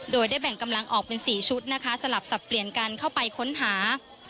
โดยได้แบ่งกำลังออกเป็น๔ชุดนะคะสลับสับเปลี่ยนกันเข้าไปค้นหา